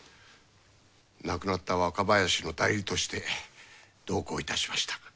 亡くなった若林の代理として同行いたしました。